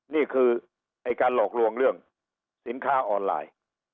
นี่คือไอ้การหลอกลวงเรื่องสินค้าออนไลน์